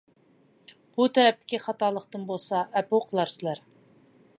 بۇ تەرەپتىكى خاتالىقتىن بولسا ئەپۇ قىلارسىلەر.